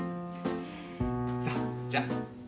さあじゃあ。